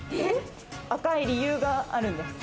赤い理由があるんです。